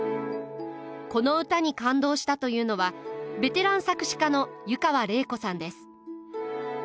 この歌に感動したというのはベテラン作詞家の湯川れい子さんです。